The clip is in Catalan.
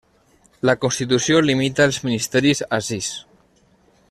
La Constitució limita els ministeris a sis.